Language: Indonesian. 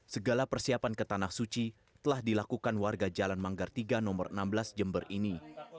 segala persiapan ke tanah suci telah dilakukan warga jalan manggar tiga nomor enam belas jember ini